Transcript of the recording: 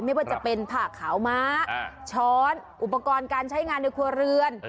ไม่ว่าจะเป็นผ้าขาวม้าช้อนอุปกรณ์การใช้งานในครัวเรือน